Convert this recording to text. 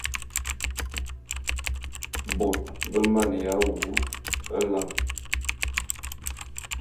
Bôt be maneya wu nlam.